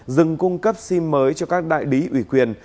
dừng cung cấp sim mới cho các đại lý ủy quyền